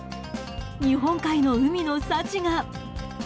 日本海の海の幸が。